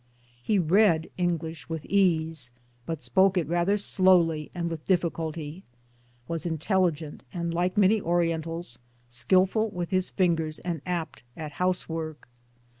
He read English with ease, but spoke it rather slowly and with difficulty, was intelligent, and like many Orientals skilful with his fingers and apt at housework.